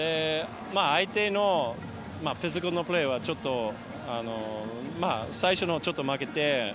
相手のフィジカルのプレーは最初のほう、ちょっと負けて。